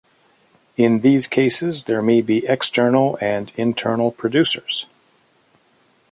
In these cases, there may be external and internal producers.